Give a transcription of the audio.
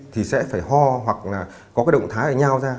thì sẽ phải ho hoặc là có cái động thái ở nhau ra